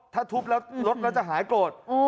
ถ้าทุบแล้วรถก็จะหายโกรธ